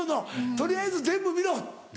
取りあえず全部見ろって。